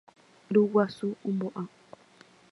Ryguasu ombo'a.